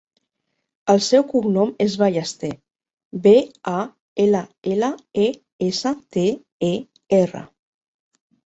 El seu cognom és Ballester: be, a, ela, ela, e, essa, te, e, erra.